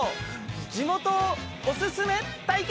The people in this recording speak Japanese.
地元お薦め対決。